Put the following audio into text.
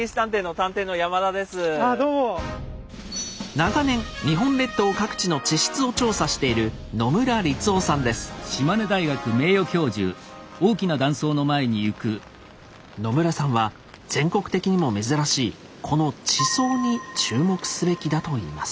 長年日本列島各地の地質を調査している野村さんは全国的にも珍しいこの地層に注目すべきだと言います。